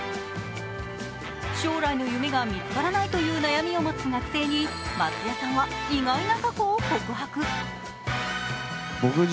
将来の夢が見つからないという悩みを持つ学生に松也さんは意外な過去を告白。